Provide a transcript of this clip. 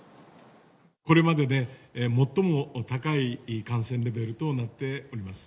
これまでで最も高い感染レベルとなっております。